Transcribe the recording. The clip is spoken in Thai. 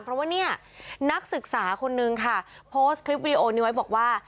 เพราะว่าเนี่ยนักศึกษาคนนึงค่ะโพสต์คลิปวิดีโอนี้ไว้บอกว่า